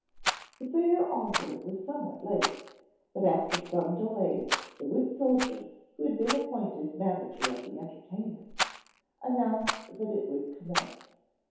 The fair author was somewhat late, but after some delay the wooden soldier, who had been appointed manager of the entertainment, announced that it would commence.